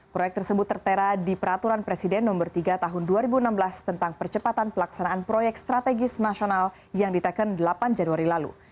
proyek tersebut tertera di peraturan presiden nomor tiga tahun dua ribu enam belas tentang percepatan pelaksanaan proyek strategis nasional yang diteken delapan januari lalu